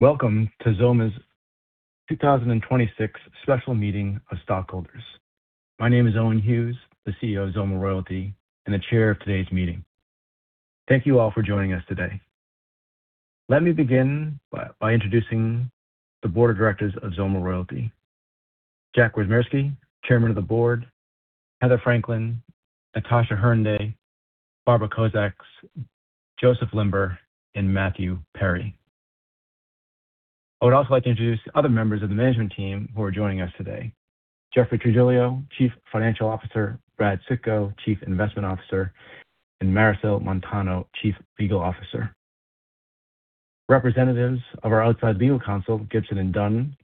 Welcome to XOMA's 2026 Special Meeting of Stockholders. My name is Owen Hughes, the CEO of XOMA Royalty and the Chair of today's meeting. Thank you all for joining us today. Let me begin by introducing the Board of Directors of XOMA Royalty. Jack Wyszomierski, Chairman of the Board, Heather Franklin, Natasha Hernday, Barbara Kosacz, Joseph Limber, and Matthew Perry. I would also like to introduce other members of the management team who are joining us today. Jeffrey Trigilio, Chief Financial Officer, Brad Sitko, Chief Investment Officer, and Maricel Montano, Chief Legal Officer. Representatives of our outside legal counsel, Gibson, Dunn & Crutcher,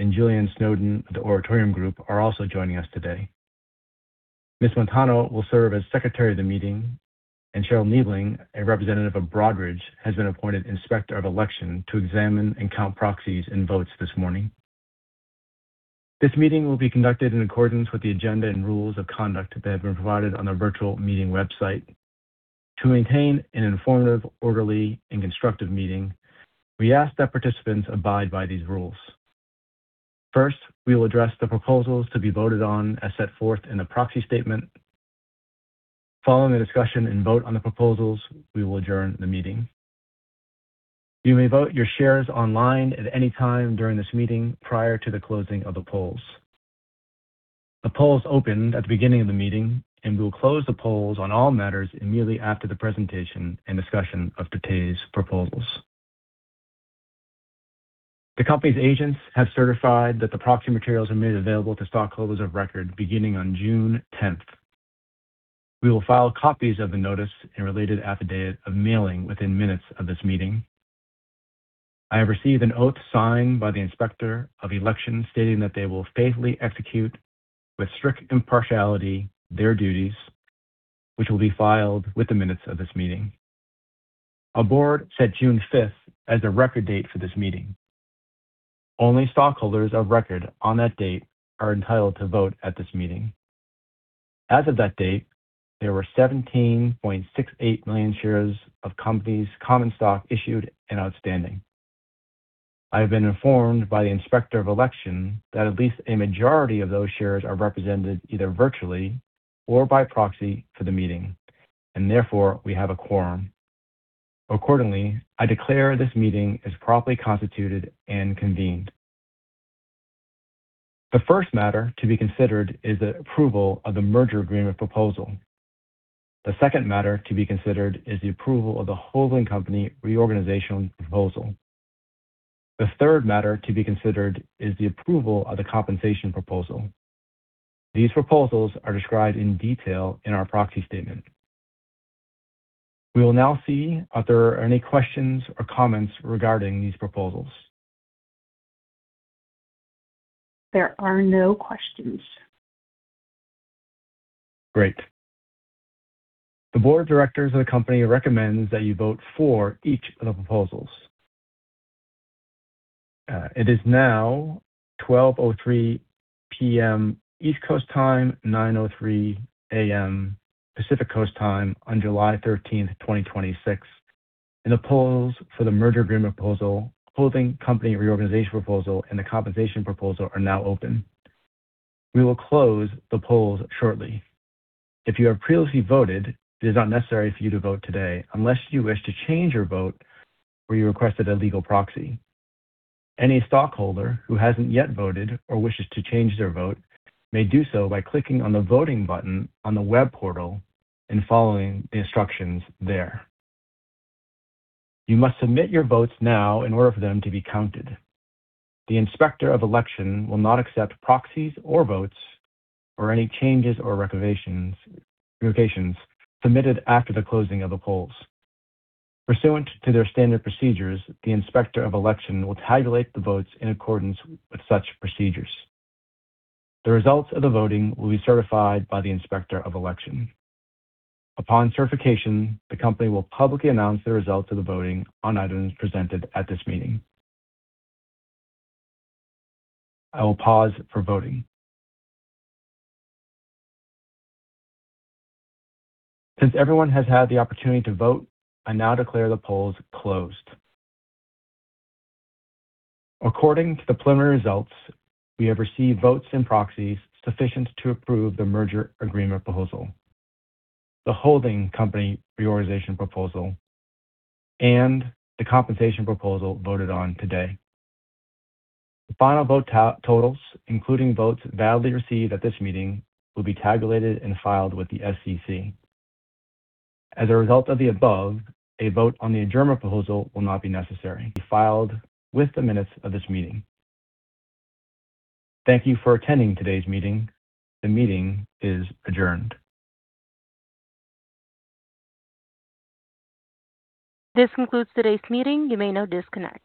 and Juliane Snowden of The Oratorium Group, are also joining us today. Ms. Montano will serve as Secretary of the Meeting, and Cheryl Niebeling, a representative of Broadridge, has been appointed Inspector of Election to examine and count proxies and votes this morning. This meeting will be conducted in accordance with the agenda and rules of conduct that have been provided on the virtual meeting website. To maintain an informative, orderly, and constructive meeting, we ask that participants abide by these rules. First, we will address the proposals to be voted on as set forth in the proxy statement. Following the discussion and vote on the proposals, we will adjourn the meeting. You may vote your shares online at any time during this meeting prior to the closing of the polls. The polls open at the beginning of the meeting. We will close the polls on all matters immediately after the presentation and discussion of today's proposals. The company's agents have certified that the proxy materials are made available to stockholders of record beginning on June 10th. We will file copies of the notice in a related affidavit of mailing within minutes of this meeting. I have received an oath signed by the Inspector of Election stating that they will faithfully execute with strict impartiality their duties, which will be filed with the minutes of this meeting. Our Board set June 5th as the record date for this meeting. Only stockholders of record on that date are entitled to vote at this meeting. As of that date, there were 17.68 million shares of company's common stock issued and outstanding. I have been informed by the Inspector of Election that at least a majority of those shares are represented either virtually or by proxy for the meeting. Therefore, we have a quorum. Accordingly, I declare this meeting is properly constituted and convened. The first matter to be considered is the approval of the merger agreement proposal. The second matter to be considered is the approval of the holding company reorganization proposal. The third matter to be considered is the approval of the compensation proposal. These proposals are described in detail in our proxy statement. We will now see if there are any questions or comments regarding these proposals. There are no questions. Great. The board of directors of the company recommends that you vote for each of the proposals. It is now 12:03 P.M. East Coast time, 9:03 A.M. Pacific Coast time on July 13th, 2026. The polls for the merger agreement proposal, holding company reorganization proposal, and the compensation proposal are now open. We will close the polls shortly. If you have previously voted, it is not necessary for you to vote today unless you wish to change your vote or you requested a legal proxy. Any stockholder who hasn't yet voted or wishes to change their vote may do so by clicking on the voting button on the web portal and following the instructions there. You must submit your votes now in order for them to be counted. The Inspector of Election will not accept proxies or votes or any changes or revocations submitted after the closing of the polls. Pursuant to their standard procedures, the Inspector of Election will tabulate the votes in accordance with such procedures. The results of the voting will be certified by the Inspector of Election. Upon certification, the company will publicly announce the results of the voting on items presented at this meeting. I will pause for voting. Since everyone has had the opportunity to vote, I now declare the polls closed. According to the preliminary results, we have received votes and proxies sufficient to approve the merger agreement proposal, the holding company reorganization proposal, and the compensation proposal voted on today. The final vote totals, including votes validly received at this meeting, will be tabulated and filed with the SEC. As a result of the above, a vote on the adjournment proposal will not be necessary. Filed with the minutes of this meeting. Thank you for attending today's meeting. The meeting is adjourned. This concludes today's meeting. You may now disconnect.